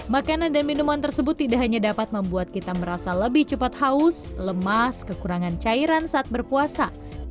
makanan dan minuman tersebut tidak hanya dapat membuat kita merasa lebih cepat haus lemas kekurangan cairan saat berpuasa